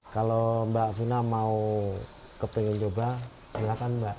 kalau mbak zuna mau kepingin coba silahkan mbak